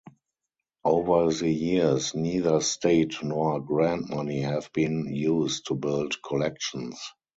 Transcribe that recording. Over the years, neither state nor grant money have been used to build collections.